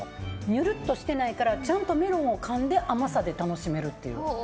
にゅるっとしてないからちゃんとメロンをかんで甘さで楽しめるという。